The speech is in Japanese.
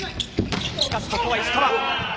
しかし、ここは石川。